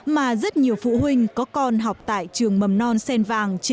mà rất nhiều phụ huynh có con học tại trường mầm non sen vàng